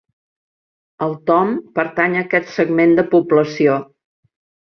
El Tom pertany a aquest segment de població.